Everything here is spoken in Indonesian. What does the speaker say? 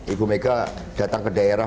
ibu mega datang ke daerah